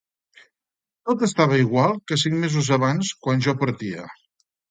Tot estava igual que cinc mesos abans, quan jo partia.